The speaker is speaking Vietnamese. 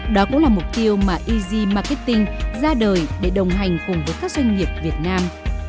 đó cũng là mục tiêu mà easy marketing ra đời để đồng hành cùng với các doanh nghiệp việt nam